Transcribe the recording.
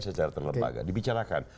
secara terlembaga dibicarakan